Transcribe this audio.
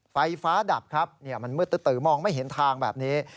ไฟฟ้าดับครับมันมืดตื้อมองไม่เห็นทางแบบนี้